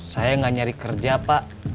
saya nggak nyari kerja pak